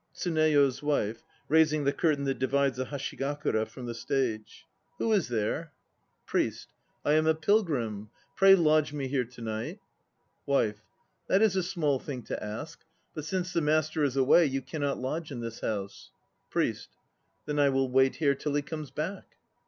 TSUNEYO'S WIFE (raising the curtain that divides the hashigakari from the stage). Who is there? 100 HACHI NO KI 101 PRIEST. I am a pilgrim; pray lodge me here to night. WIFE. That is a small thing to ask. But since the master is away, you cannot lodge in this house. PRIEST. Then I will wait here till he comes back.